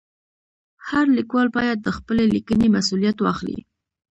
هر لیکوال باید د خپلې لیکنې مسؤلیت واخلي.